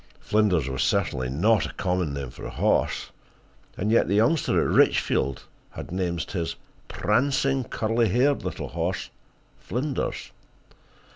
Flinders was certainly not a common name for a horse, and yet the youngster at Richfield had named his prancing, curly haired little horse Flinders!